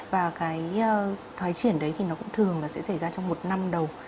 và cái thoái triển đấy thì nó cũng thường là sẽ xảy ra trong một năm đầu